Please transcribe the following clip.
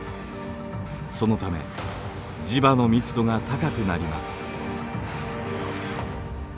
そのため磁場の密度が高くなります。